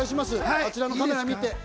あちらのカメラを見て！